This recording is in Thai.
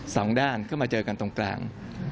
สองด้านก็มาเจอกันตรงกลาง